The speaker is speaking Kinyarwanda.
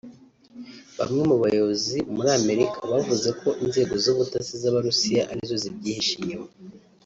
Bamwe mu bayobozi muri Amerika bavuze ko inzego z’ubutasi z’Abarusiya arizo zibyihishe inyuma